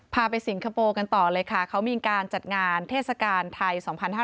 พาไปสิงคโปร์กันต่อเลยค่ะเขามีการจัดงานเทศกาลไทย๒๕๕๙